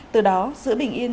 từ đó giữa bình yên